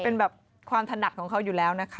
เป็นแบบความถนัดของเขาอยู่แล้วนะคะ